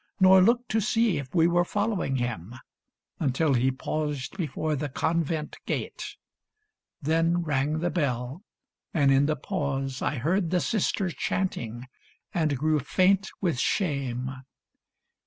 Nor looked to see if we were following him Until he paused before the convent gate ; Then rang the bell, and in the pause I heard The sisters chanting, and grew faint with shame.